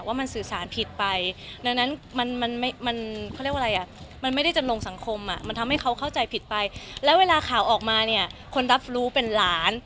ว่ามันสื่อสารผิดไปดังนั้นมันไม่ได้จำลงสังคมมันทำให้เขาเข้าใจผิดไปและเวลาข่าวออกมาเนี่ยคนรับรู้เป็นหลาน